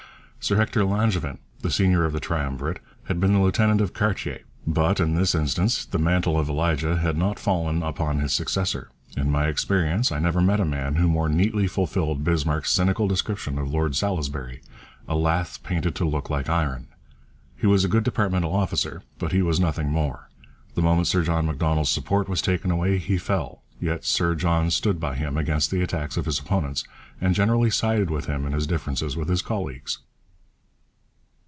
Sir Hector Langevin, the senior of the triumvirate, had been the lieutenant of Cartier, but, in this instance, the mantle of Elijah had not fallen upon his successor. In my experience I never met a man who more neatly fulfilled Bismarck's cynical description of Lord Salisbury 'a lath painted to look like iron.' He was a good departmental officer but he was nothing more. The moment Sir John Macdonald's support was taken away, he fell. Yet Sir John stood by him against the attacks of his opponents, and generally sided with him in his differences with his colleagues.